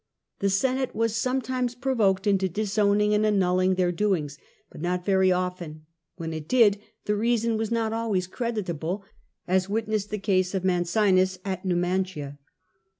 The Senate was sometimes provoked into disowning and annulling their doings, but not very often: when it did, the reason was not always creditable — as witness the case of Mancinus at Niimantia.